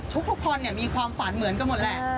ทุกคนมีความฝันเหมือนกันหมดแหละ